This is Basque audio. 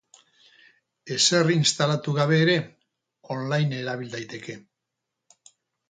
Ezer instalatu gabe ere, online erabil daiteke.